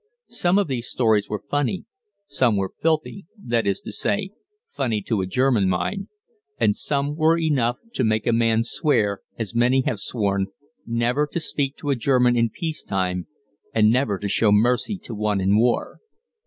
Some of these stories were funny, some were filthy, that is to say, funny to a German mind, and some were enough to make a man swear, as many have sworn, never to speak to a German in peace time and never to show mercy to one in war.